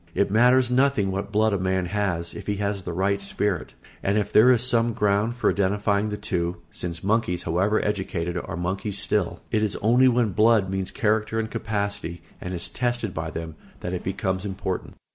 It matters nothing what blood a man has, if he has the right spirit; and if there is some ground for identifying the two (since monkeys, however educated, are monkeys still) it is only when blood means character and capacity, and is tested by them, that it becomes important.